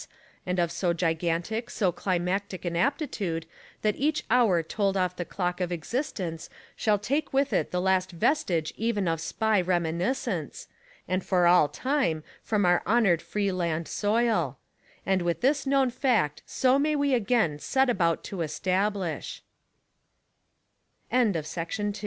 and of so gigantic, so climatic an aptitude that each 'hour tolled off the clock of existence shall take with it the last vestige even of Spy reminiscence, and for all time from our honored free land soil ; and with this known fact so may we